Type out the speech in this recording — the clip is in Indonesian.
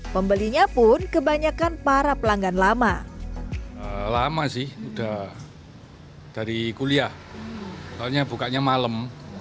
pembelinya pun kebanyakan para pelanggan lama lama sih udah dari kuliah soalnya bukanya malam